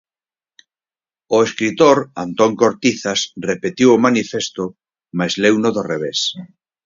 O escritor Antón Cortizas repetiu o manifesto, mais leuno do revés.